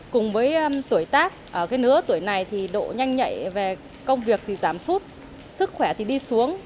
cùng với tuổi tác ở cái nửa tuổi này thì độ nhanh nhạy về công việc thì giảm sút sức khỏe thì đi xuống